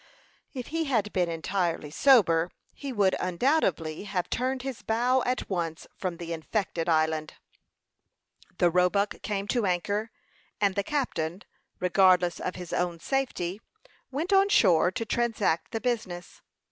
If he had been entirely sober, he would undoubtedly have turned his bow at once from the infected island. The Roebuck came to anchor, and the captain, regardless of his own safety, went on shore to transact the business.